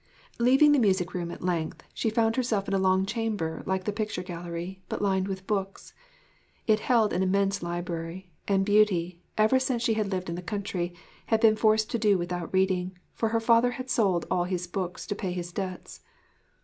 Leaving the music room at length, she found herself in a long chamber like the picture gallery, but lined with books. It held an immense library; and Beauty, ever since she had lived in the country, had been forced to do without reading, for her father had sold all his books to pay his debts.